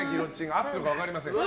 合ってるか分かりませんが。